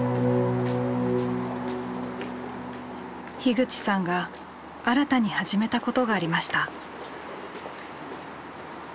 口さんが新たに始めたことがありました。